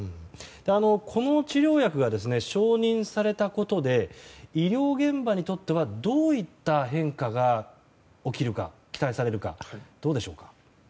この治療薬が承認されたことで医療現場にとってはどういった変化が起きるか期待されるか、どうでしょうか？